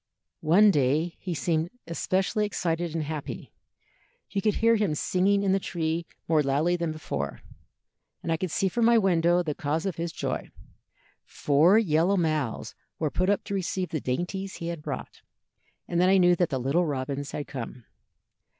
"One day he seemed specially excited and happy; you could hear him singing in the tree more loudly than before, and I could see from my window the cause of his joy. Four yellow mouths were put up to receive the dainties he had brought, and then I knew that the little robins had come.